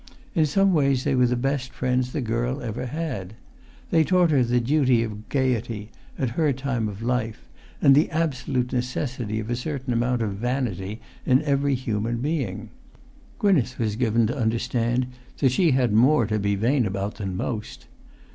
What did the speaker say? In some ways they were the best friends the girl ever had. They taught her the duty of gaiety at her time of life, and the absolute necessity of a[Pg 292] certain amount of vanity in every human being. Gwynneth was given to understand that she had more to be vain about than most.